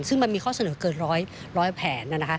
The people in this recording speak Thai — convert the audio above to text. ซึ่งมันมีข้อเสนอเกินร้อยแผน